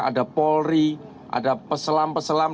ada polri ada peselam peselam